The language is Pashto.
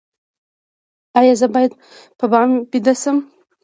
ایا زه باید په بام ویده شم؟